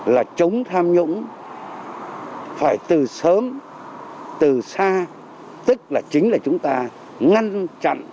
là chống tham nhũng phải từ sớm từ xa tức là chính là chúng ta ngăn chặn